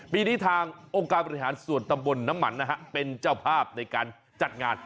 ปีนี้ทางองค์การบริหารส่วนตำบลน้ำมันนะฮะเป็นเจ้าภาพในการจัดงาน